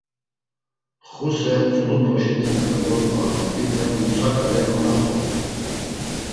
Xuse, tzulu poşet̆i na dolodu a nondite Musa ǩale konaxolu.